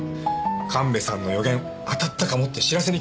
神戸さんの予言当たったかもって知らせに来たんですよ！